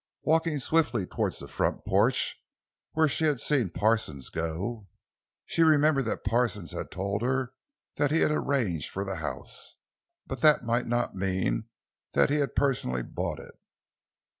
Walking swiftly toward the front porch, where she had seen Parsons go, she remembered that Parsons had told her he had arranged for the house, but that might not mean that he had personally bought it.